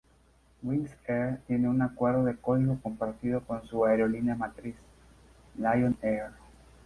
Wings Air tiene un acuerdo de código compartido con su aerolínea matriz, Lion Air.